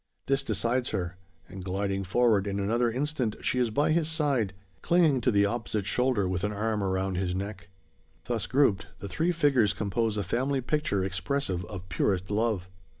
This decides her; and, gliding forward, in another instant she is by his side, clinging to the opposite shoulder, with an arm around his neck. Thus grouped, the three figures compose a family picture expressive of purest love.